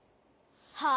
はあ？